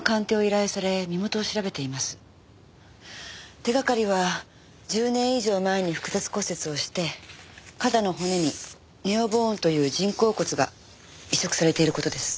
手掛かりは１０年以上前に複雑骨折をして肩の骨にネオボーンという人工骨が移植されている事です。